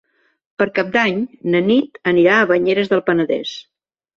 Per Cap d'Any na Nit anirà a Banyeres del Penedès.